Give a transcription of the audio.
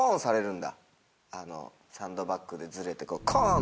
サンドバッグでずれてコン！